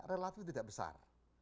relatif tidak besar